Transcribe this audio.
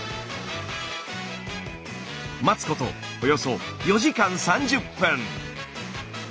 待つことおよそ４時間３０分。